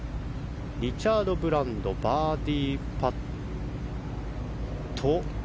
リチャード・ブランドのバーディーパット。